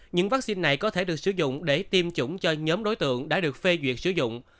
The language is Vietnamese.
những vaccine này có thể được sử dụng để tiêm chủng cho nhóm đối tượng đã được phê duyệt sử dụng